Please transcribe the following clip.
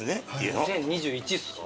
２０２１っすか？